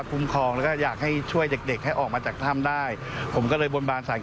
ดูข่าวแล้วก็น้ำตาไหลเกิดความสงสาร